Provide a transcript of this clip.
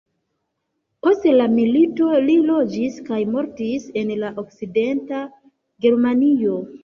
Post la milito li loĝis kaj mortis en la okcidenta Germanio.